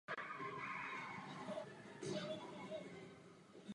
Učil na školách v Nuslích a na Vinohradech a byl sbormistrem pěveckého sboru "Lumír".